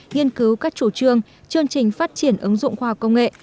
nghiên cứu các chủ trương chương trình phát triển ứng dụng khoa học công nghệ